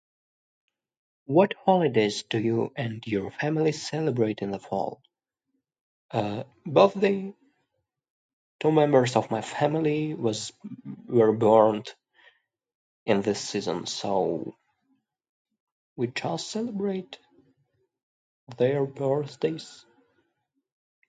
What holidays do you and your families celebrate in the fall? Uh, both the... two members of my family was... were born in the season, so we'd all celebrate their birthdays.